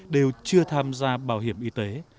đều chưa tham gia bảo hiểm y tế